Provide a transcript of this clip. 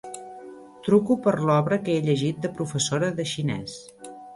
Truco per l'obra que he llegit de professora de xinès.